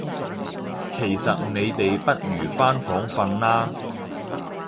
其實你哋不如返房訓啦